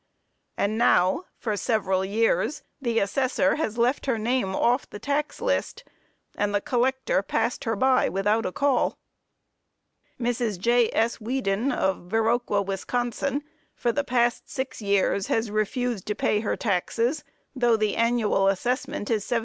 And now, for several years, the assessor has left her name off the tax list, and the collector passed her by without a call. Mrs. J.S. Weeden, of Viroqua, Wis., for the past six years, has refused to pay her taxes, though the annual assessment is $75.